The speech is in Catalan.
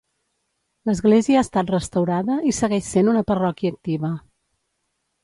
L'església ha estat restaurada i segueix sent una parròquia activa.